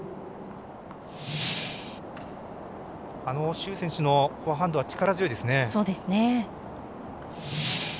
朱選手のフォアハンドは力強いですね。